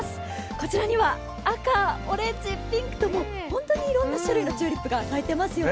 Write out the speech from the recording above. こちらには赤、オレンジ、ピンクと本当にいろんな種類のチューリップが咲いてますよね。